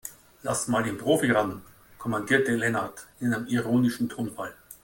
Lass mal den Profi ran, kommandierte Lennart in einem ironischen Tonfall.